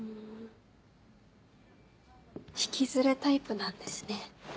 引きずるタイプなんですね。